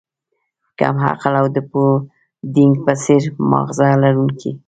کم عقل او د پوډینګ په څیر ماغزه لرونکی